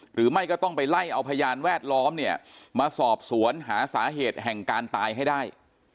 หรือไม่ก็ต้องไปไล่เอาพยานแวดล้อมเนี่ยมาสอบสวนหาสาเหตุแห่งการตายให้ได้